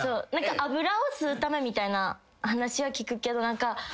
油を吸うためみたいな話は聞くけど。